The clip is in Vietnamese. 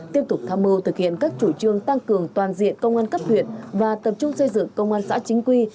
tiếp tục tham mưu thực hiện các chủ trương tăng cường toàn diện công an cấp huyện và tập trung xây dựng công an xã chính quy